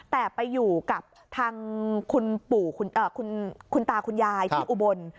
แต่ไปอยู่กับทางคุณตาคุณยายที่อุบล